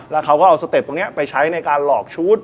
แล้วเขาก็เอาสเต็ปตรงนี้ไปใช้ในการหลอกชุด